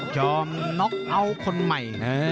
อมน็อกเอาท์คนใหม่